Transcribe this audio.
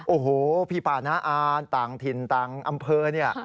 โอ้โหพี่ป่าน้าอ่านต่างถิ่นต่างอำเภอเนี่ย